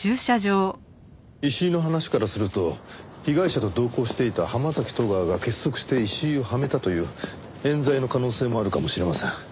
石井の話からすると被害者と同行していた浜崎戸川が結束して石井をはめたという冤罪の可能性もあるかもしれません。